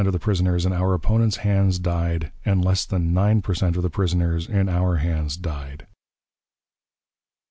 of the prisoners in our opponents' hands died, and less than nine per cent. of the prisoners in our hands died.